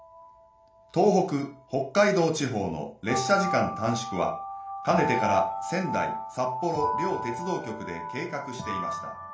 東北北海道地方の列車時間短縮はかねてから仙台札幌両鉄道局で計画していました。